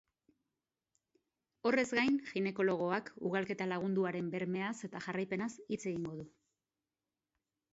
Horrez gain, ginekologoak ugalketa lagunduaren bermeaz eta jarraipenaz hitz egingo du.